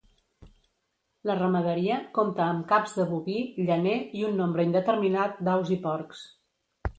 La ramaderia compta amb caps de boví, llaner i un nombre indeterminat d'aus i porcs.